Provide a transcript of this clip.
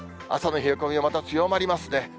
朝の冷え込みはまた強まりますね。